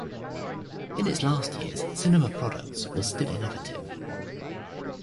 In its last years, Cinema Products was still innovative.